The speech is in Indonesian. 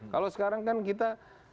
kalau sekarang kan kita